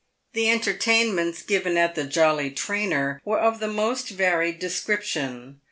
The entertainments given at the " Jolly Trainer" were of the most varied description.